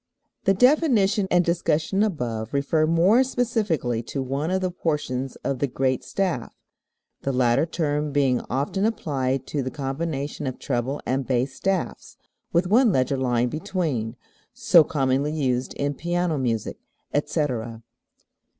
The definition and discussion above refer more specifically to one of the portions of the "great staff," the latter term being often applied to the combination of treble and bass staffs (with one leger line between) so commonly used in piano music, etc. 13.